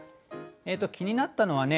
気になったのはね